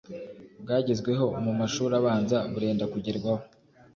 bwagezweho mu mashuri abanza burenda kugerwaho